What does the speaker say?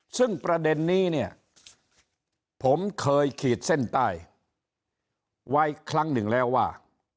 ซึ่งประเด็นนี้เนี่ยผมเคยขีดเส้นใต้ไว้ครั้งหนึ่งแล้วว่า